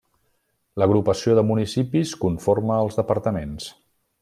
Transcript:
L'agrupació de municipis conforma els departaments.